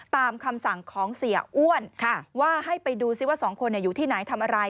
คำสั่งของเสียอ้วนว่าให้ไปดูซิว่าสองคนอยู่ที่ไหนทำอะไร